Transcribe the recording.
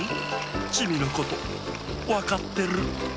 チミのことわかってる。